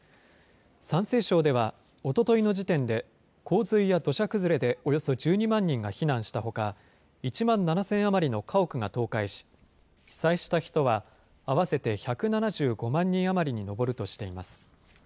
山西省では、おとといの時点で、洪水や土砂崩れでおよそ１２万人が避難したほか、１万７０００余りの家屋が倒壊し、被災した人は合わせて１７５万人余りに上るとしています。